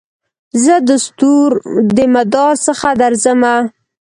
زه دستورو دمدار څخه درځمه